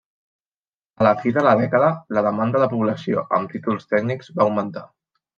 A la fi de la dècada la demanda de població amb títols tècnics va augmentar.